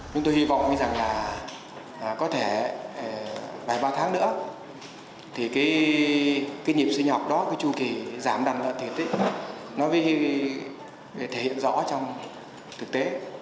nhưng tôi hy vọng rằng là có thể bài ba tháng nữa thì cái nhịp sinh học đó cái chu kỳ giảm đàn lợi thịt nó sẽ thể hiện rõ trong thực tế